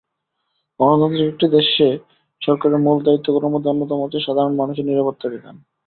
গণতান্ত্রিক একটি দেশে সরকারের মূল দায়িত্বগুলোর মধ্যে অন্যতম হচ্ছে সাধারণ মানুষের নিরাপত্তা বিধান।